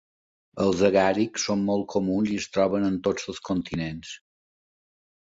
Els agàrics són molt comuns i es troben en tots els continents.